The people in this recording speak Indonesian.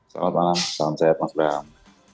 selamat malam salam sehat mas bram